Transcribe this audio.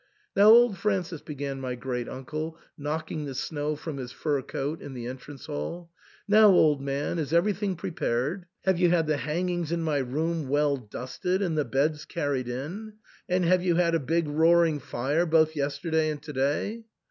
" Now, old Francis," began my great uncle, knock ing the snow from his fur coat in the entrance hall, now, old man, is everything prepared ? Have you had the hangings in my room well dusted, and the beds carried in ? and have you had a big roaring fire both yesterday and to day